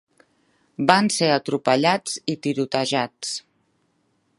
Van ser atropellats i tirotejats.